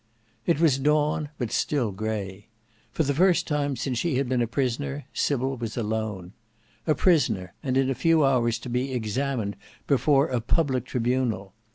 It was dawn, but still grey. For the first time since she had been a prisoner, Sybil was alone. A prisoner, and in a few hours to be examined before a public tribunal!